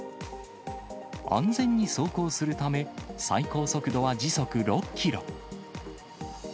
安全に走行するため、最高速度は時速６キロ。